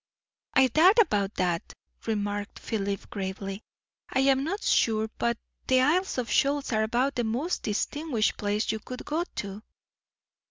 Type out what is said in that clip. "I doubt about that," remarked Philip gravely. "I am not sure but the Isles of Shoals are about the most distinguished place you could go to."